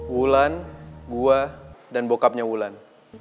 wulan gua dan bokapnya wulan